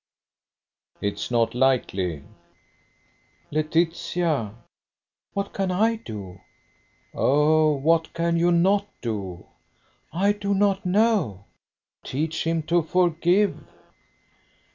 "It's not likely." "Laetitia!" "What can I do?" "Oh! what can you not do?" "I do not know." "Teach him to forgive!"